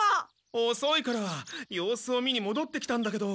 おそいから様子を見にもどってきたんだけど。